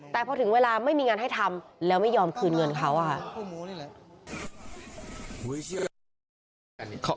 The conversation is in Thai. แต่พอถึงเวลาไม่มีงานให้ทำแล้วไม่ยอมคืนเงินเขาค่ะ